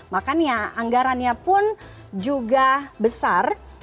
makanya anggarannya pun juga besar